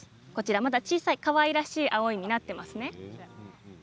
まだ小さいかわいらしい青い実がなっていますね。